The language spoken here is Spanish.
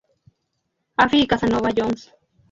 Afi y Casanova Jones.